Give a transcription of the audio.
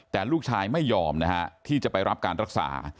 แต่ลูกชายไม่ยอมนะฮะที่จะไปรับการรักษา